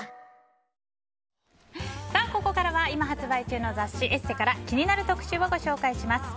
ここからは今発売中の雑誌「ＥＳＳＥ」から気になる特集をご紹介します。